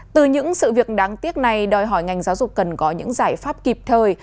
từ những sự việc đáng tiếc này đòi hỏi ngành giáo dục cần có những giải pháp kịp thời